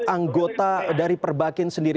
anggota dari perbakin sendiri